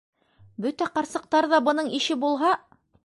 Бөтә ҡарсыҡтар ҙа бының ише булһа...